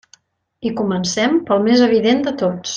I comencem pel més evident de tots.